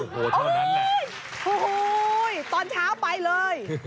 โอ้โหเท่านั้นแหละโอ้โหตอนเช้าไปเลย